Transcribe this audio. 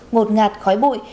ngột ngạt khói bụi